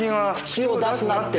口を出すなって。